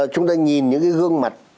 chúng ta nhìn những gương mặt